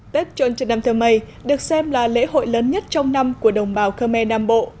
tết trần trần nam thơ mây được xem là lễ hội lớn nhất trong năm của đồng bào khmer nam bộ